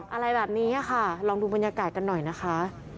อะไรแบบนี้ค่ะลองดูบรรยากาศกันหน่อยนะคะ